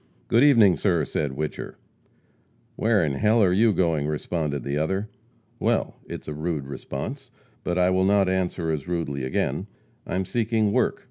"Good evening, sir," said Whicher. "Where in h ll are you going?" responded the other. "Well, it's a rude response, but I will not answer as rudely again. I am seeking work.